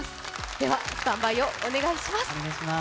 ではスタンバイをお願いします。